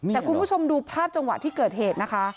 แต่คุณผู้ชมดูภาพจังหวะที่เกิดเหตุนะคะ